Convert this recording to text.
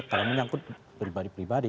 kalau menyangkut pribadi pribadi